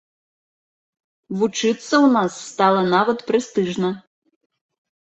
Вучыцца ў нас стала нават прэстыжна.